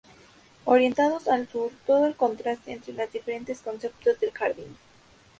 Orientados al sur, todo el contraste entre los diferentes conceptos de jardín.